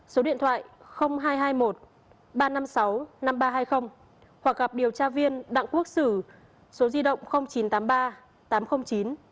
số điện thoại hai trăm hai mươi một ba trăm năm mươi sáu năm nghìn ba trăm hai mươi hoặc gặp điều tra viên đặng quốc sử số di động chín trăm tám mươi ba tám trăm linh chín một trăm một mươi tám